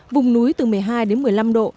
vùng núi từ một mươi hai đến một mươi năm độ